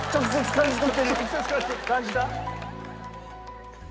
感じた？